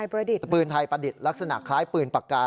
ปืนไทยประดิษฐ์ลักษณะคล้ายปืนปากกา